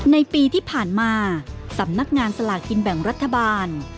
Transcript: ในปีที่ผ่านมาสำนักงานสลากกินแบ่งรัฐบาล